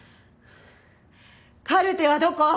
カルテはどこ？